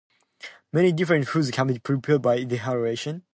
Many different foods can be prepared by dehydration.